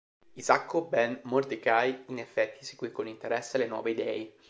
Isacco ben Mordecai in effetti seguì con interesse le nuove idee.